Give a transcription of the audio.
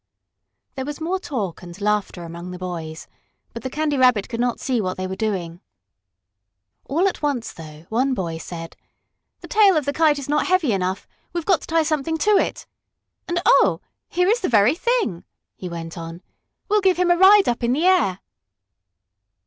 There was more talk and laughter among the boys, but the Candy Rabbit could not see what they were doing. All at once, though, one boy said. "The tail of the kite is not heavy enough. We've got to tie something to it. And, oh, here is the very thing!" he went on. "We'll give him a ride up in the air!"